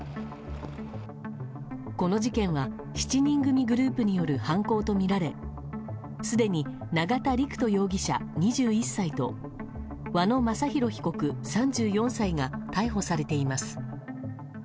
この事件は７人組グループによる犯行とみられすでに永田陸人容疑者、２１歳と和野正弘被告、３４歳が逮捕されています。